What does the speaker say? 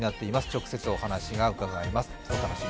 直接お話を伺います。